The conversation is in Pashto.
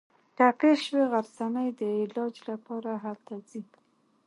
ټپي شوې غرڅنۍ د علاج لپاره هلته ځي.